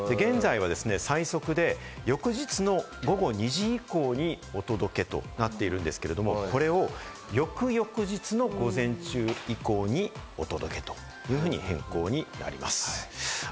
現在は最速で翌日の午後２時以降にお届けとなっているんですけれども、これを翌々日の午前中以降にお届けとなります。